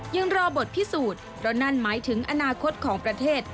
ยังรอดพิสูจน์เพราะนั่นหมายถึงอนาคตของประเทศ